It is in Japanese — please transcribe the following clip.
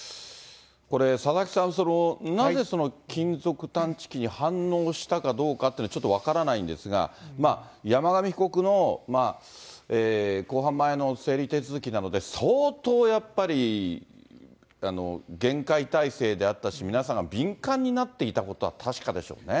これ、佐々木さん、なぜ、その金属探知機に反応したかどうかっていうのは、ちょっと分からないんですが、山上被告の公判前の整理手続きなので、相当、やっぱり厳戒態勢であったし、皆さんが敏感になっていたことは確かでしょうね。